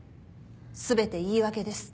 全て言い訳です。